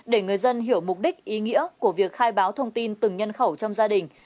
để người dân hiểu mục đích ý nghĩa của việc khai báo thông tin từng nhân khẩu trong gia đình